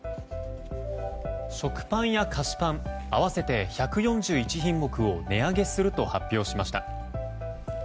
食パンや菓子パン合わせて１４１品目を値上げすると発表しました。